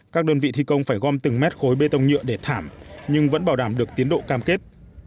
các đơn vị thi công phải gom từng mét khối bê tông nhựa để thảm nhưng vẫn bảo đảm được tiến độ cam kết